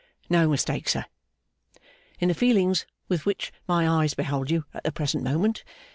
'No mistake, sir, in the feelings with which my eyes behold you at the present moment!